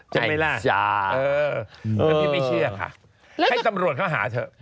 จริงไหมล่ะไอ้จ๋าเออแต่พี่ไม่เชื่อค่ะให้ตำรวจเขาหาเถอะ